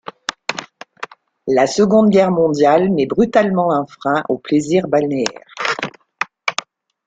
La Seconde Guerre mondiale met brutalement un frein aux plaisirs balnéaires.